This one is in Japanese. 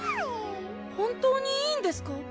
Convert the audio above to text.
本当にいいんですか？